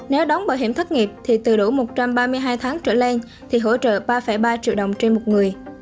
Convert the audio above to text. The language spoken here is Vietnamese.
nếu đóng bảo hiểm thất nghiệp thì từ đủ một trăm ba mươi hai tháng trở lên thì hỗ trợ ba ba triệu đồng trên một người